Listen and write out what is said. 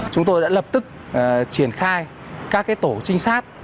chúng tôi đã lập tức triển khai các tổ trinh sát